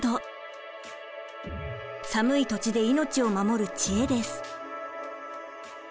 寒い土地で命を守る知恵です。